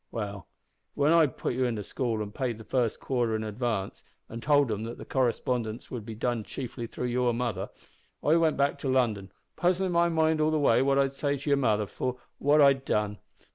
"Well, when I'd putt you in the school an' paid the first quarter in advance, an' told 'em that the correspondence would be done chiefly through your mother, I went back to London, puzzlin' my mind all the way what I'd say to your mother for what I'd done.